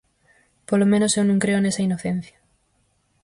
Polo menos eu non creo nesa inocencia.